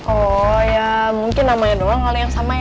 oh ya mungkin namanya doang hal yang sama ya